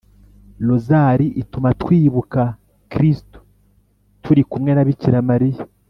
rozali ituma twibuka kristu turi kumwe na bikira mariya